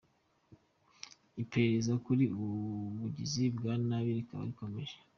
Iperereza kuri ubu bugizi bwa nabi rikaba rikomeje.